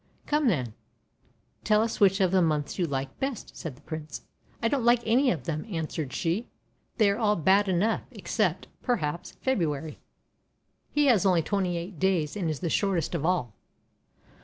"Come, then, tell us which of the Months you like best," said the Prince. "I don't like any of them," answered she. 418 THE WONDER GARDEN 'They are all bad enough, except, perhaps, February; he has only twenty eight days and is the shortest of all!'